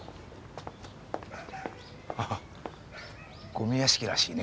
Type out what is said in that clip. ゴミ屋敷らしいね